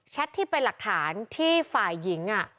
ที่เป็นหลักฐานที่ฝ่ายหญิง